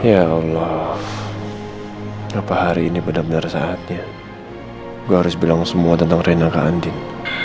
ya allah kenapa hari ini benar benar saatnya gue harus bilang semua tentang renar ke andin